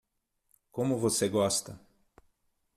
Como você gosta?